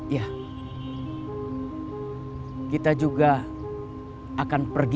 ya kita juga akan pergi